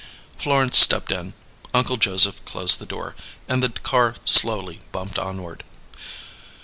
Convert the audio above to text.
Florence stepped in, Uncle Joseph closed the door, and the car slowly bumped onward.